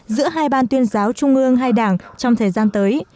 giữa hai ban tuyên giáo trung ương hai đảng trong thời gian tới